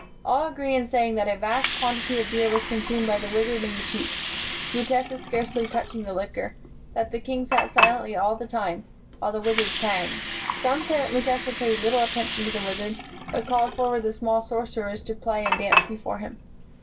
"All agree in saying that a vast quantity of beer was consumed by the wizard and chiefs, Mutesa scarcely touching the liquor ; that the king sat silent all the time, while the wizard sang. Some say that Mutesa paid little attention to the wizard, but called forward the small sorcerers to play and dance before him.